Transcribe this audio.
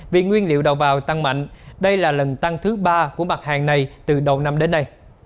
vì nguyên liệu đầu vào tăng mạnh đây là lần tăng thứ ba của mặt hàng này từ đầu năm đến nay